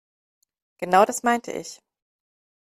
Genau das meinte ich.